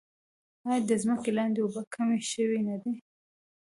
آیا د ځمکې لاندې اوبه کمې شوې نه دي؟